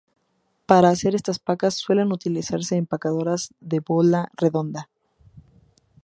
Para hacer estas pacas, suelen utilizarse empacadoras de bola redonda.